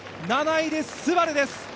７位でＳＵＢＡＲＵです。